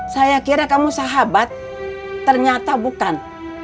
saya kira kamu sahabat ternyata bukan